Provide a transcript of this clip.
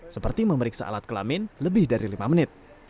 seperti memeriksa alat kelamin lebih dari lima menit